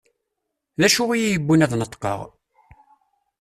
D acu i yi-yewwin ad d-neṭqeɣ?